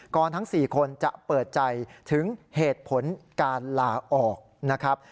ทั้ง๔คนจะเปิดใจถึงเหตุผลการลาออกนะครับ